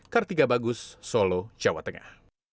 kartiga bagus solo jawa tengah